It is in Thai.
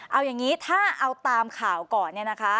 เอาอย่างนี้ถ้าเอาตามข่าวก่อนเนี่ยนะคะ